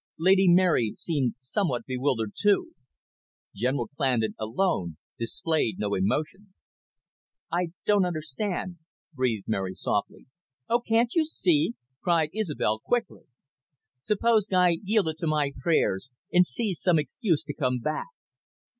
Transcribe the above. Lady Mary seemed somewhat bewildered too. General Clandon alone displayed no emotion. "I don't understand," breathed Mary softly. "Oh, can't you see?" cried Isobel quickly. "Suppose Guy yielded to my prayers, and seized some excuse to come back!